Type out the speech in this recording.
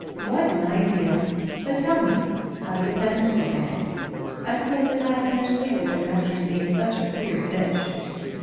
what an idea! But tell me, how do the peasants look at it? I suppose they laugh in their sleeves at their master's being such a queer fish?"